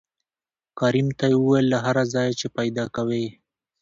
کريم ته يې وويل له هر ځايه چې پېدا کوې.